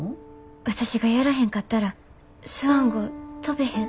私がやらへんかったらスワン号飛ベへん。